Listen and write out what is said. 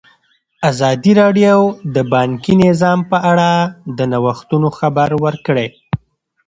ازادي راډیو د بانکي نظام په اړه د نوښتونو خبر ورکړی.